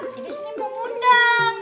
jadi sini mau undang